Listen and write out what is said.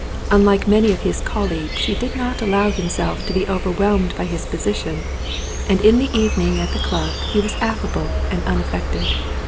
Un like many of his colleagues he did not allow himself to be overwhelmed by his position, and in the eve ning at the club he was affable and unaffected.